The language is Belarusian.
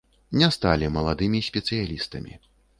Не сталі маладымі спецыялістамі.